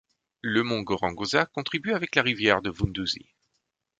Le Mont Gorongosa contribue avec la rivière de Vunduzi.